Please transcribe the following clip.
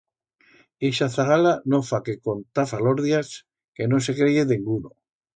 Ixa zagala no fa que contar falordias que no se creye denguno.